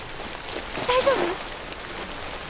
大丈夫？